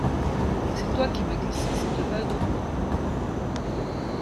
C'est toi qui m'as glissé cette bague au doigt.